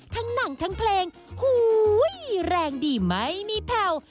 ทั้งหนังทั้งเพลงหู้ยยยยยแรงดีไหมมีเพลว